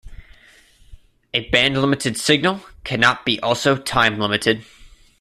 A bandlimited signal cannot be also timelimited.